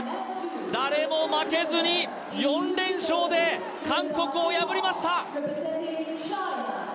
誰も負けずに４連勝で韓国を破りました。